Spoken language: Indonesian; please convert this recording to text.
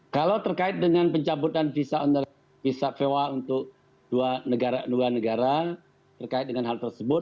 kalau terkait dengan pencabutan visa on the visa vewa untuk dua negara terkait dengan hal tersebut